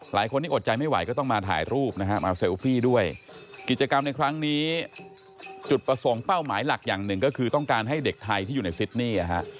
หลายคนที่อดใจไม่ไหวก็ต้องมาถ่ายรูปนะฮะมาเซลฟี่ด้วยกิจกรรมในครั้งนี้จุดประสงค์เป้าหมายหลักอย่างหนึ่งก็คือต้องการให้เด็กไทยที่อยู่ในซิดนี่นะฮะ